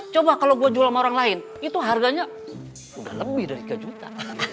coba kalau gue jual sama orang lain itu harganya udah lebih dari tiga juta